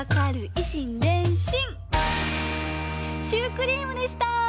以心伝心」シュークリームでした！